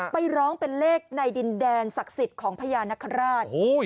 ไปร้องเป็นเลขในดินแดนศักดิ์สิทธิ์ของพญานคราช